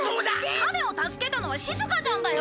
亀を助けたのはしずかちゃんだよ！